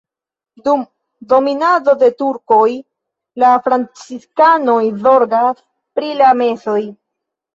Dum dominado de turkoj la franciskanoj zorgas pri la mesoj.